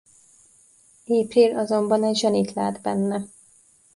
April azonban egy zsenit lát benne.